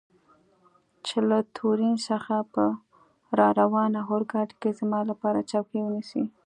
چې له تورین څخه په راروانه اورګاډي کې زما لپاره چوکۍ ونیسي.